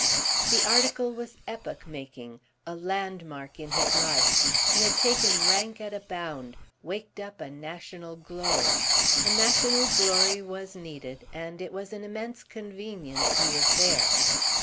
The article was "epoch making," a landmark in his life; he had taken rank at a bound, waked up a national glory. A national glory was needed, and it was an immense convenience he was there.